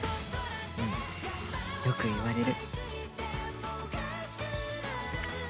うんよく言われる。